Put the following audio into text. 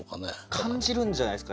感じるんじゃないすか？